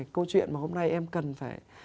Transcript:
câu chuyện mà hôm nay em cần phải